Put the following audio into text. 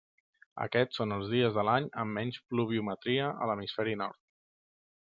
Aquests són els dies de l'any amb menys pluviometria a l'hemisferi nord.